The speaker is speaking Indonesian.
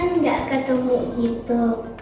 kan nggak ketemu gitu